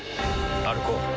歩こう。